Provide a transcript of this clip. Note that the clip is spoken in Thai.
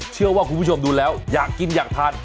เชื่อว่าคุณผู้ชมดูแล้วอยากกินอยากทาน